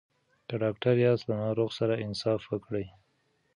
که ډاکټر یاست له ناروغ سره انصاف وکړئ.